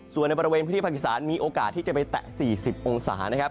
ส่วนในบริเวณพื้นที่ภาคอีสานมีโอกาสที่จะไปแตะ๔๐องศานะครับ